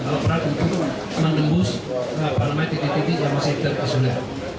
alat alat untuk menembus titik titik yang masih terdisulir